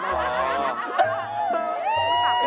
เวลาเศร้า